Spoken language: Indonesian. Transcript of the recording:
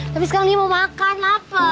tapi sekarang ini mau makan lapar